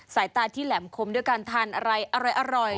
สายตาที่แหลมคมด้วยการทานอะไรอร่อย